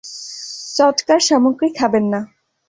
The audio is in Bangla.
সদকার সামগ্রী খাবেন না।